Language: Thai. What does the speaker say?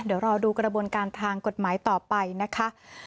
เดี๋ยวรอดูกระบวนการทางกฎหมายต่อไปนะคะ